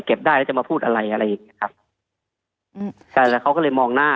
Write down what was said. เก็บได้แล้วจะมาพูดอะไรอะไรอย่างเงี้ยครับแต่เขาก็เลยมองหน้า